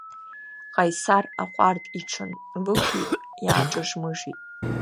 Ҟаисар аҟәардә иҽанлықәик, иааҿыжмыжит.